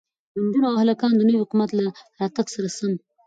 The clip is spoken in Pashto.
نجونو او هلکانو د نوي حکومت له راتگ سره سم